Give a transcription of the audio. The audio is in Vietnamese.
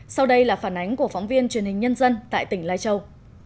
sau đây là phản ánh của phóng viên truyền hình nhân dân tại tỉnh lai châu